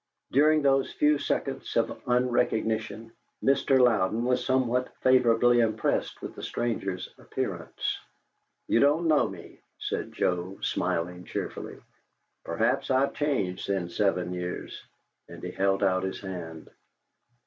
During those few seconds of unrecognition, Mr. Louden was somewhat favorably impressed with the stranger's appearance. "You don't know me," said Joe, smiling cheerfully. "Perhaps I've changed in seven years." And he held out his hand.